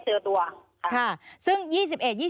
แต่ว่าไม่ได้เจอตัว